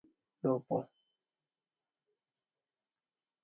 likutafuta suluhu ya tatizo lilopo